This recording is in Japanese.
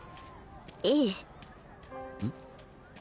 いいうん？